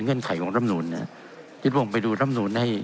เงื่อนไขของรำนูลเนี่ยทิศวงศ์ไปดูรำนูลให้